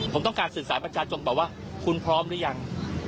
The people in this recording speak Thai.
ผมต้องการสื่อสารประชาชนบอกว่าคุณพร้อมหรือยัง